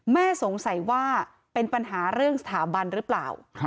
สงสัยว่าเป็นปัญหาเรื่องสถาบันหรือเปล่า